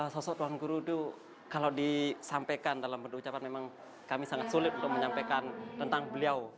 sosok tuan guru itu kalau disampaikan dalam bentuk ucapan memang kami sangat sulit untuk menyampaikan tentang beliau